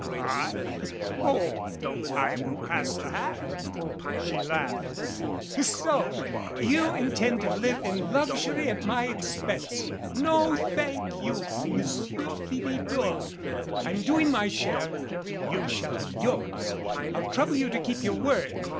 "I Oh, I will pass the hat." She laughed. "So ! You intend to live in luxury at my expense. No, thank you, Monsieur Philidor. I'm doing my share. You shall do yours. I'll trouble you to keep your word.